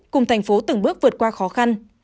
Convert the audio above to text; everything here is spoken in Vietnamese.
cùng thành phố từng bước vượt qua khó khăn